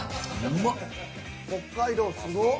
北海道すごっ。